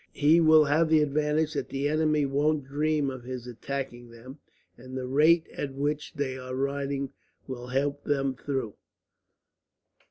He will have the advantage that the enemy won't dream of his attacking them, and the rate at which they are riding will help them through.